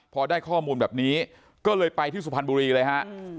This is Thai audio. พอได้ข้อมูลแบบนี้ก็เลยไปที่สุพรรณบุรีเลยฮะ